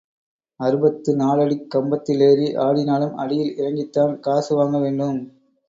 அறுபத்து நாலடிக் கம்பத்திலேறி ஆடினாலும், அடியில் இறங்கித்தான் காசு வாங்க வேண்டும்.